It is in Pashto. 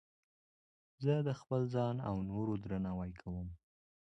زه د خپل ځان او نورو درناوی کوم.